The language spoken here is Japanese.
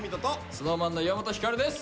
ＳｎｏｗＭａｎの岩本照です。